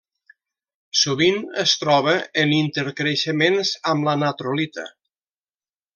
Sovint es troba en intercreixements amb la natrolita.